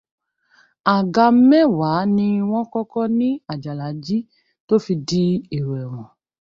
Àga mẹ́wàá ní wọ́n kọ́kọ́ ni Àjàlá jí tó fi di èrò ẹ̀wọ̀n.